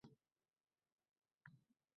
Ularda sira gapi yo‘q!